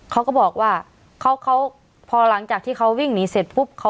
เขาก็บอกว่าเพราะหลังจากที่เขาวิ่งหนีเสร็จ